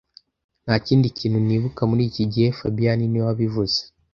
Nta kindi kintu nibuka muri iki gihe fabien niwe wabivuze